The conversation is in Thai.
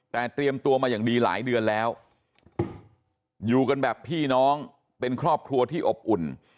แต่เตรียมตัวมาอย่างดีหลายเดือนแล้วอยู่กันแบบพี่น้องเป็นครอบครัวที่อบอุ่น